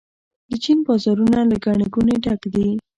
د چین بازارونه له ګڼې ګوڼې ډک دي.